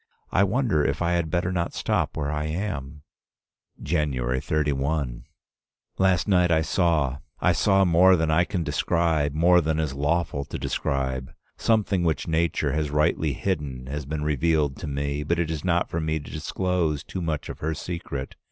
I wonder if I had better not stop where I am? "January 31. Last night I saw — I saw more than I can describe, more than is lawful to describe. Something which nature has rightly hidden has been revealed to me, but it is not for me to disclose too much of her secret.